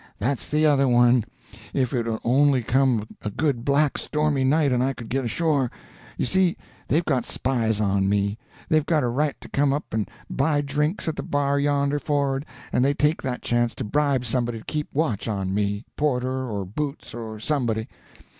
—that's the other one. If it would only come a good black stormy night and I could get ashore. You see, they've got spies on me. They've got a right to come up and buy drinks at the bar yonder forrard, and they take that chance to bribe somebody to keep watch on me—porter or boots or somebody.